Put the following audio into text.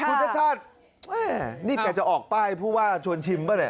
วุฒิชาธินิก๊ะจะออกใป้พูดว่าชวนชิมเป้อเนี่ย